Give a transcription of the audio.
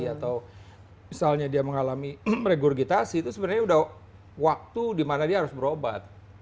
atau misalnya dia mengalami regurgitasi itu sebenarnya sudah waktu di mana dia harus berobat